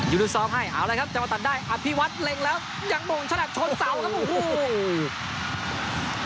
ยูนิซอล์ฟให้เอาละครับจะมาตัดได้อภิวัตเล็งแล้วยังมงชนัดโชดเสาครับ